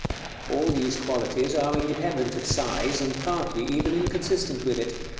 All these qualities are independent of size, and partly even inconsistent with it.